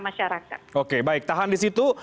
masyarakat oke baik tahan di situ